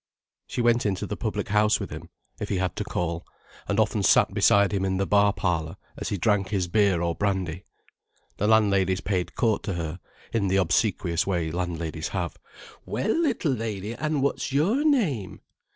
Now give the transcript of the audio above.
She went into the public house with him, if he had to call, and often sat beside him in the bar parlour as he drank his beer or brandy. The landladies paid court to her, in the obsequious way landladies have. "Well, little lady, an' what's your name?"